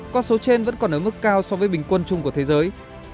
con số trên vẫn còn ở mức cao so với bình quân chung của thế giới